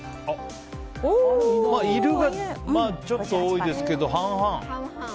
まあ、いるがちょっと多いですけど半々。